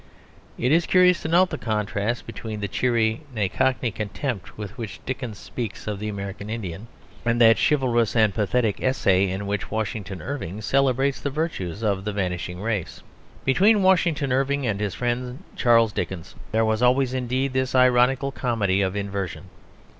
It is curious to note the contrast between the cheery, nay Cockney, contempt with which Dickens speaks of the American Indian and that chivalrous and pathetic essay in which Washington Irving celebrates the virtues of the vanishing race. Between Washington Irving and his friend Charles Dickens there was always indeed this ironical comedy of inversion.